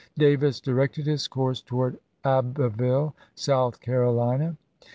Davis directed his course toward Abbeville, South Carolina.